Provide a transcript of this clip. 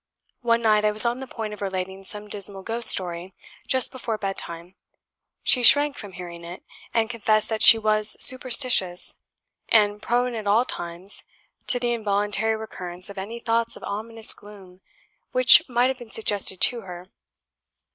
One night I was on the point of relating some dismal ghost story, just before bed time. She shrank from hearing it, and confessed that she was superstitious, and, prone at all times to the involuntary recurrence of any thoughts of ominous gloom which might have been suggested to her.